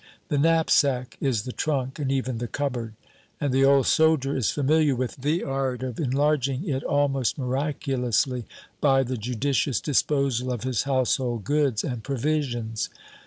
The knapsack is the trunk and even the cupboard; and the old soldier is familiar with the art of enlarging it almost miraculously by the judicious disposal of his household goods and provisions.